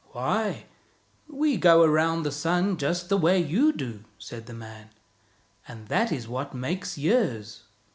" Why, we go around the sun just the way you do," said the man, "and that is what makes years."